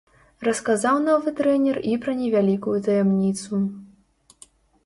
Расказаў новы трэнер і пра невялікую таямніцу.